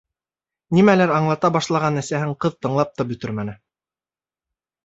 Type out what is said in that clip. Нимәлер аңлата башлаған әсәһен ҡыҙ тыңлап та бөтөрмәне.